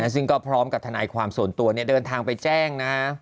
ซึ่งก็พร้อมกับทนายความส่วนตัวเดินทางไปแจ้งนะฮะ